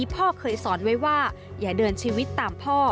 พ่อเคยสอนไว้ว่าอย่าเดินชีวิตตามพ่อ